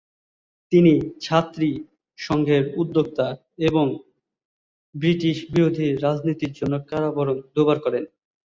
তিনি ছাত্রী সংঘের উদ্যোক্তা এবং ব্রিটিশ বিরোধী রাজনীতির জন্য কারাবরণ দু'বার করেন।